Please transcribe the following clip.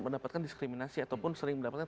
mendapatkan diskriminasi ataupun sering mendapatkan